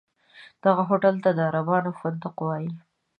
دغه هوټل ته عربان فندق وایي.